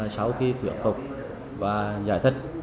sau khi thuyền học và giải thích